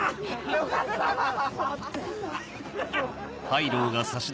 よかったぁ！